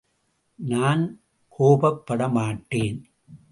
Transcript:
நான் கோப்ப் படமாட்டேன்.